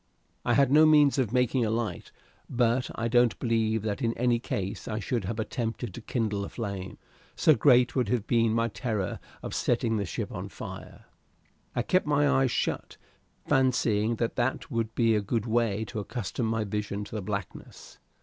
I had no means of making a light; but I don't believe that in any case I should have attempted to kindle a flame, so great would have been my terror of setting the ship on fire. I kept my eyes shut, fancying that that would be a good way to accustom my vision to the blackness.